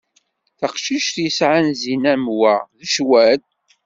Taqcict yesɛan zzin am wa d cwal.